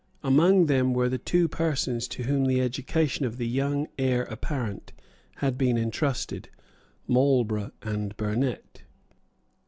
Among them were the two persons to whom the education of the young heir apparent had been entrusted, Marlborough and Burnet.